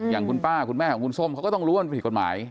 อย่างคุณป้าคุณแม่ของคุณส้มเขาก็ต้องรู้ว่ามันผิดกฎหมาย